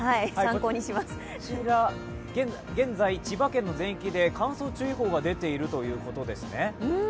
こちら、現在千葉県の全域で、乾燥注意報が出ているということですね。